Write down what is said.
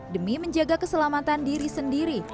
demi menjaga keselamatan diri sendiri